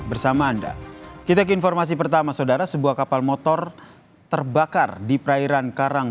bersama anda kita ke informasi pertama saudara sebuah kapal motor terbakar di perairan karang